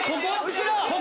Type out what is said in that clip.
後ろ！